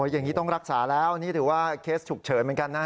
อย่างนี้ต้องรักษาแล้วนี่ถือว่าเคสฉุกเฉินเหมือนกันนะ